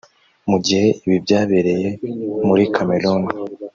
mu gihe ibi byabereye muri Cameroon